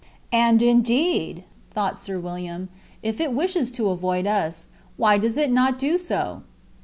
"And indeed," thought Sir William, "if it wishes to avoid us, why does it not do so?"